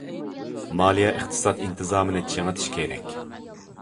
مالىيە- ئىقتىساد ئىنتىزامىنى چىڭىتىش كېرەك.